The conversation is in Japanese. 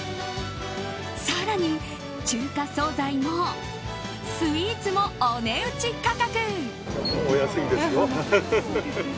更に中華総菜もスイーツもお値打ち価格。